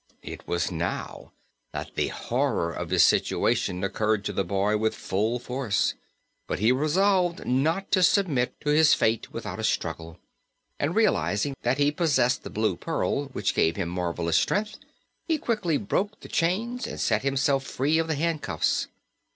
It was now that the horror of his situation occurred to the boy with full force. But he resolved not to submit to his fate without a struggle, and realizing that he possessed the Blue Pearl, which gave him marvelous strength, he quickly broke the chains and set himself free of the handcuffs.